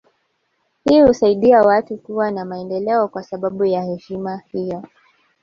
Hii husaidia watu kuwa na maendeleo kwa sababu ya heshima hiyo